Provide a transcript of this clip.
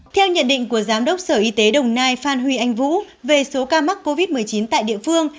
theo nhận định của giám đốc sở y tế đồng nai phan huy anh vũ về số ca mắc covid một mươi chín tại địa phương